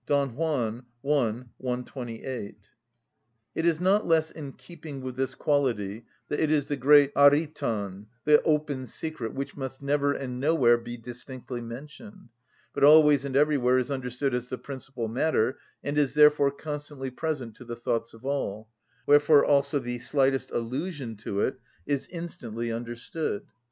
—Don Juan, i. 128. It is not less in keeping with this quality that it is the great αρρητον, the open secret, which must never and nowhere be distinctly mentioned, but always and everywhere is understood as the principal matter, and is therefore constantly present to the thoughts of all, wherefore also the slightest allusion to it is instantly understood.